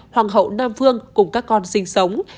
hoàng hậu nam phương cùng các con sinh sống